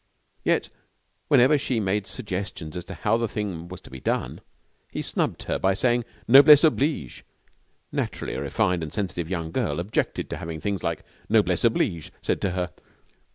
Yet whenever she made suggestions as to how the thing was to be done, he snubbed her by saying noblesse oblige. Naturally a refined and sensitive young girl objected to having things like noblesse oblige said to her.